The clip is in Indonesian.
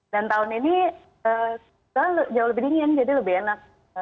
dan tahun ini jauh lebih dingin jadi lebih enak